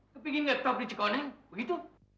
kepingin tetap di cikoneng begitu